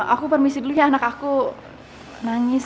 aku permisi dulu ya anak aku nangis